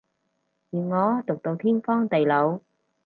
而我毒到天荒地老